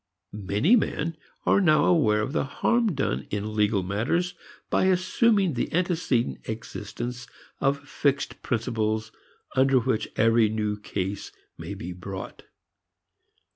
Many men are now aware of the harm done in legal matters by assuming the antecedent existence of fixed principles under which every new case may be brought.